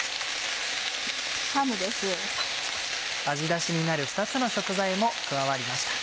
ダシになる２つの食材も加わりました。